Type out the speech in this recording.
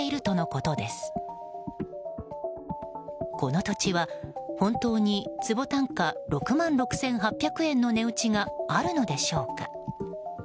この土地は本当に坪単価６万６８００円の値打ちがあるのでしょうか。